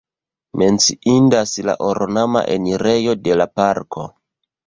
Menciindas la ornama enirejo de la parko.